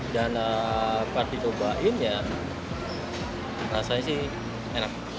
dan ketika ditobain ya rasanya sih enak